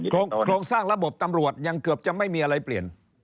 โครงสร้างระบบตำรวจยังเกือบจะไม่มีอะไรเปลี่ยน